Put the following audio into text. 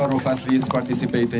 dari jumlah atlet yang berpartisipasi